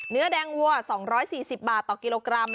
เนื้อแดงวัว๒๔๐บาทต่อกิโลกรัม